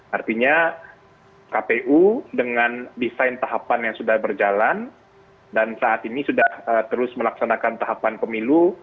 artinya kpu dengan desain tahapan yang sudah berjalan dan saat ini sudah terus melaksanakan tahapan pemilu